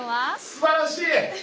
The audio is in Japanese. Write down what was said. すばらしい！